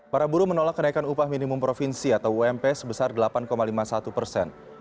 para buruh menolak kenaikan upah minimum provinsi atau ump sebesar delapan lima puluh satu persen